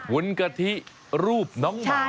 ุ้นกะทิรูปน้องหมา